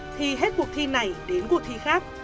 thì hết cuộc thi này đến cuộc thi khác